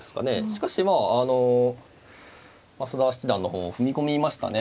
しかしまああの増田七段の方踏み込みましたね。